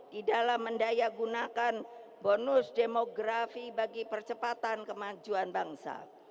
di dalam mendayagunakan bonus demografi bagi percepatan kemajuan bangsa